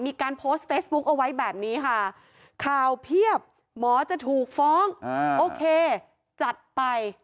มีการโพสต์เฟซบุ๊คเอาไว้แบบนี้ค่ะข่าวเพียบหมอจะถูกฟ้องโอเคจัดไป